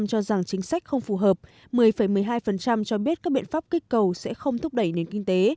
cho rằng chính sách không phù hợp một mươi một mươi hai cho biết các biện pháp kích cầu sẽ không thúc đẩy nền kinh tế